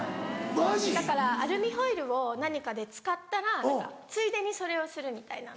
だからアルミホイルを何かで使ったらついでにそれをするみたいな。